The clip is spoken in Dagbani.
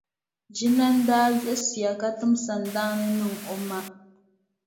Ʒinani daa yiɣisiya ka tim sandaani niŋ o ma.